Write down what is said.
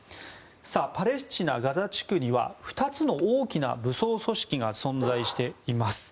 パレスチナ、ガザ地区には２つの大きな武装組織が存在しています。